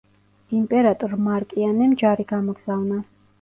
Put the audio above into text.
იმპერატორ მარკიანემ ჯარი გამოგზავნა.